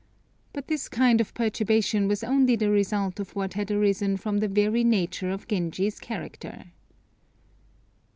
But this kind of perturbation was only the result of what had arisen from the very nature of Genji's character.